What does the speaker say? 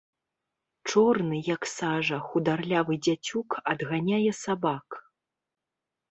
Чорны, як сажа, хударлявы дзяцюк адганяе сабак.